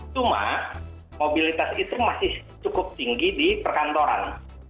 cuma mobilitas itu masih cukup tinggi di perkantoran